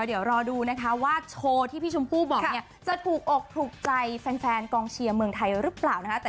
เดี๋ยวรอดูนะคะว่าโชว์ที่พี่ชมพู่บอกเนี่ยจะถูกอกถูกใจแฟนกองเชียร์เมืองไทยหรือเปล่านะคะ